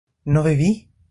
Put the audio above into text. ¿no bebí?